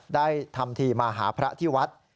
ได้ทำทีมาหาพระที่วัด